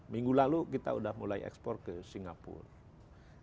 minggu lalu kita sudah mulai ekspor ke singapura